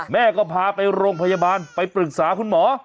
แม่ก็พาไปโรงพยาบาลไปปรึกษาคุณหมอ